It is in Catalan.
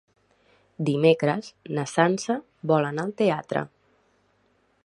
Dimecres na Sança vol anar al teatre.